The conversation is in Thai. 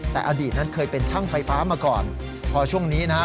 แต่อดีตนั้นเคยเป็นช่างไฟฟ้ามาก่อนพอช่วงนี้นะฮะ